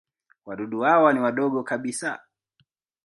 Wadudu hawa ni wadogo kabisa.